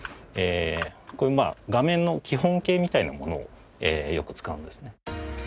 こういう画面の基本形みたいなものをよく使うんですね。